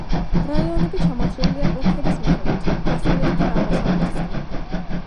რაიონები ჩამოთვლილია ოლქების მიხედვით, დასავლეთიდან აღმოსავლეთისკენ.